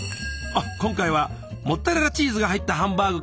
今回はモッツアレラチーズが入ったハンバーグかぁ。